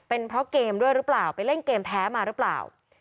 เป็นเพราะเกมด้วยหรือเปล่าไปเล่นเกมแพ้มาหรือเปล่า